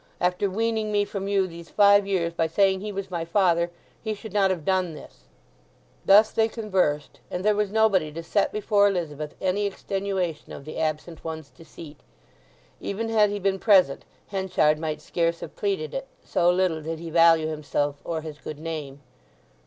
After weaning me from you these five years by saying he was my father, he should not have done this." Thus they conversed; and there was nobody to set before Elizabeth any extenuation of the absent one's deceit. Even had he been present Henchard might scarce have pleaded it, so little did he value himself or his good name.